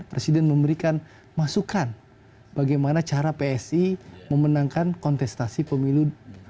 presiden memberikan masukan bagaimana cara psi memenangkan kontestasi pemilu dua ribu dua puluh